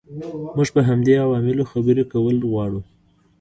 موږ په همدې عواملو خبرې کول غواړو.